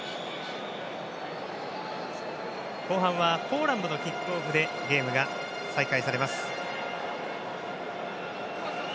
後半はポーランドのキックオフでゲームが再開されます。